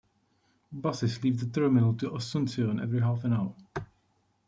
Buses leave the terminal to Asuncion every half an hour.